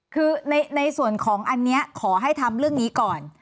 คือในส่วนของอันนี้ขอให้ทำเรื่องนี้ก่อน